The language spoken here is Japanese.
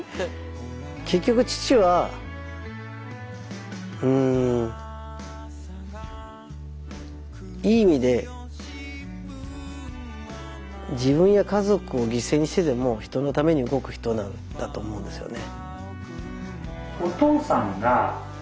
結局父はうんいい意味で自分や家族を犠牲にしてでも人のために動く人だったと思うんですよね。